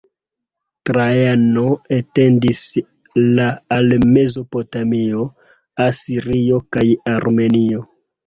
Trajano etendis la al Mezopotamio, Asirio kaj Armenio.